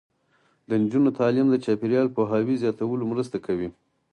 د نجونو تعلیم د چاپیریال پوهاوي زیاتولو مرسته کوي.